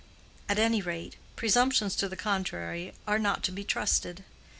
At any rate, presumptions to the contrary are not to be trusted.